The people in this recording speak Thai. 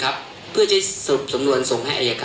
ภาพขณะซื้อหรอครับอ๋อตรงนั้นตรงนั้นไม่มีนะครับ